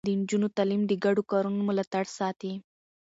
د نجونو تعليم د ګډو کارونو ملاتړ ساتي.